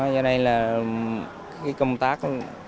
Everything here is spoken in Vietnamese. do này là cái công tác